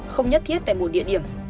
không nhất thiết tại một địa điểm